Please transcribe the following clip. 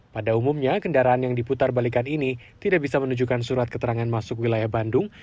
pada umumnya kendaraan yang diputar balikan ini tidak bisa menunjukkan surat keterangan masuk wilayah bandung